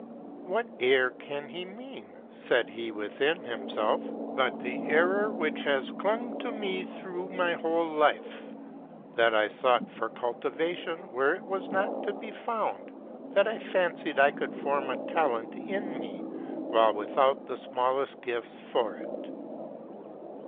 " What error can he mean," said he within himself, " but the error which has clung to me through my whole life, ŌĆö that I sought for cultivation where it was not to be found ; that I fancied I could form a talent in me, while without the smallest gift for it?